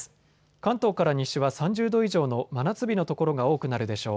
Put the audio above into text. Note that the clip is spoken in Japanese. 関東から西は３０度以上の真夏日の所が多くなるでしょう。